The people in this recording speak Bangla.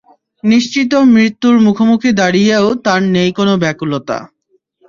নিশ্চিত মৃত্যুর মুখোমুখি দাঁড়িয়েও তাঁর নেই কোন ব্যাকুলতা।